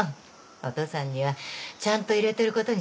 お父さんにはちゃんと入れてることにしとくから。